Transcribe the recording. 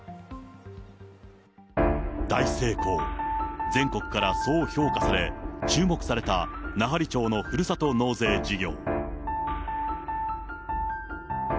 大成功、全国からそう評価され、注目された奈半利町のふるさと納税事業。